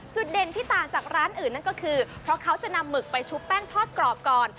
เด่นที่ต่างจากร้านอื่นนั่นก็คือเพราะเขาจะนำหมึกไปชุบแป้งทอดกรอบก่อน